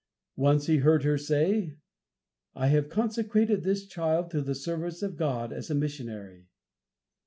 Once he heard her say, "I have consecrated this child to the service of God as a missionary."